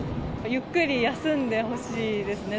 ゆっくり休んでほしいですね。